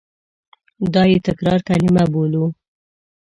دا یې تکراري کلیمه بولو.